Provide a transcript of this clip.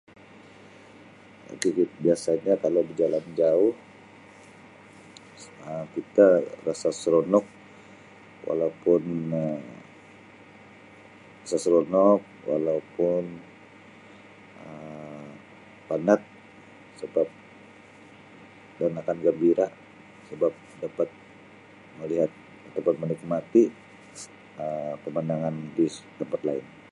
[unintelligible] Biasanya kalau bejalan jauh Um kita rasa seronok walaupun Um rasa seronok walaupun Um panat sebab dan akan gembira sebab dapat melihat dapat menikmati Um pemandangan di tempat lain.